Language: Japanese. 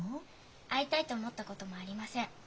会いたいと思ったこともありません。